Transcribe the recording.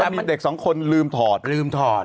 แล้วมีเด็ก๒คนลืมถอด